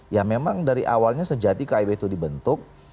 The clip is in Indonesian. ya memang dari awalnya sejati kib itu dibentuk